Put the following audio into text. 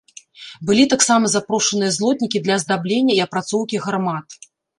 Былі таксама запрошаныя злотнікі для аздаблення і апрацоўкі гармат.